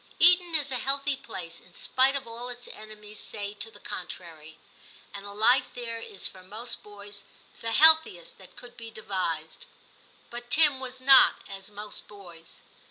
Eton is a healthy place, in spite of all its enemies say to the contrary, and the life there is for most boys the healthiest that could be devised. But Tim was not as most boys.